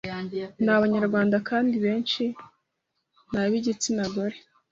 ni abanyarwanda, kandi benshi ni ab’igitsina gore